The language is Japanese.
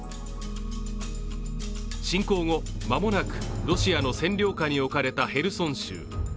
侵攻後まもなくロシアの占領下に置かれたヘルソン州。